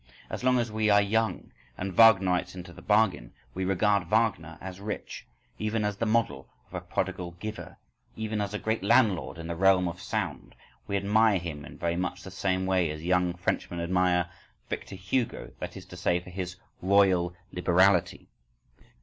As long as we are young, and Wagnerites into the bargain, we regard Wagner as rich, even as the model of a prodigal giver, even as a great landlord in the realm of sound. We admire him in very much the same way as young Frenchmen admire Victor Hugo—that is to say, for his "royal liberality."